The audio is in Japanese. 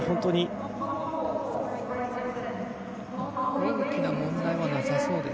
大きな問題はなさそうです。